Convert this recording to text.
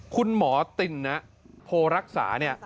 คุณหมอตินน่ะโพรักษา